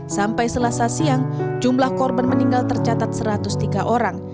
sampai selasa siang jumlah korban meninggal tercatat satu ratus tiga orang